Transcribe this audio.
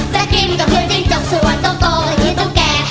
จากกิ้มก็คือจากส่วนตกก็คือตุ๊กแก